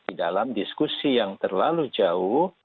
di dalam diskusi yang terlalu jauh